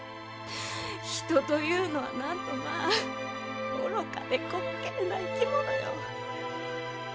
人というのはなんとまぁ愚かで滑稽な生き物よ。